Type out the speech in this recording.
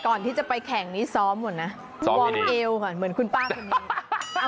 ก่อนที่จะไปแข่งนี้ซ้อมก่อนนะคุณวอร์มเอวเหมือนคุณป้าคุณเอง